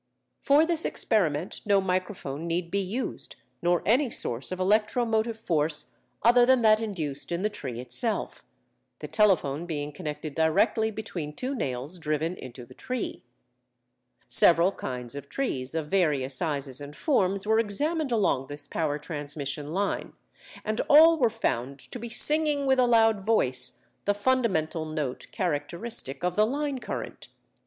For this experiment no microphone need be used, nor any source of electromotive force other than that induced in the tree itself, the telephone being connected directly between two nails driven into the tree.... "Several kinds of trees of various sizes and forms were examined along this power transmission line, and all were found to be singing with a loud voice the fundamental note characteristic of the line current.